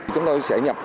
chúng tôi sẽ nhập